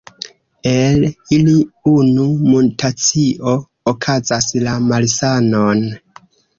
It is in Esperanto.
El ili unu mutacio okazas la malsanon.